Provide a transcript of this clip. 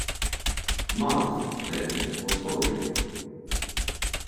Marthe, then, was following.